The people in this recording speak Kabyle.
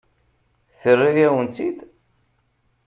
Terra-yawen-tt-id?